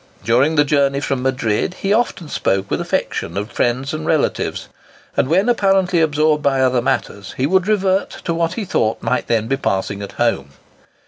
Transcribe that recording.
During the journey from Madrid he often spoke with affection of friends and relatives; and when apparently absorbed by other matters, he would revert to what he thought might then be passing at home.